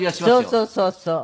そうそうそうそう。